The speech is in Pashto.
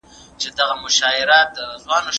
تاریخ پوه وویل چې تېر مهال زموږ د ژوند هینداره ده.